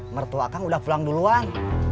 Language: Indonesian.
mertua kang udah pulang duluan